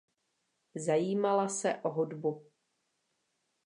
Zajímala se o hudbu.